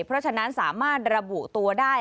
เพราะฉะนั้นสามารถระบุตัวได้